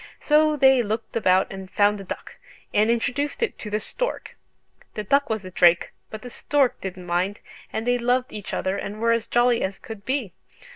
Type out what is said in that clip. So they looked about and found a duck, and introduced it to the stork. The duck was a drake, but the stork didn't mind, and they loved each other and were as jolly as could be.